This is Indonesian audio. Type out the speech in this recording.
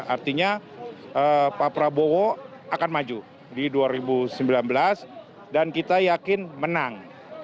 artinya pak prabowo akan maju di dua ribu sembilan belas dan kita yakin menang